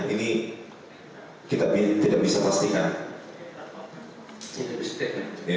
ini kita tidak bisa pastikan